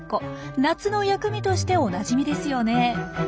夏の薬味としておなじみですよね。